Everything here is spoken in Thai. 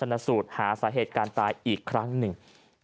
นสูตรหาสาเหตุการณ์ตายอีกครั้งหนึ่ง